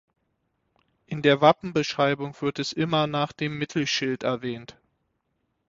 In der Wappenbeschreibung wird es immer nach dem Mittelschild erwähnt.